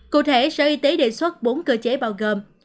cụ thể sở y tế đề xuất bốn cơ chế bao gồm